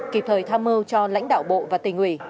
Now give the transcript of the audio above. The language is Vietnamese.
kịp thời tham mưu cho lãnh đạo bộ và tỉnh ủy